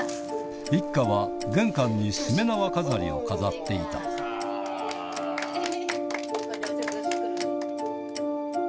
一家は玄関にしめ縄飾りを飾っていたをしたはい。